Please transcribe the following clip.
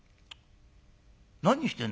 何してんだ？